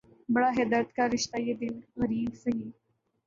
بڑا ہے درد کا رشتہ یہ دل غریب سہی